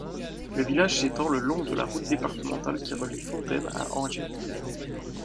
Le village s'étend le long de la route départementale qui relie Fontaine à Angeot.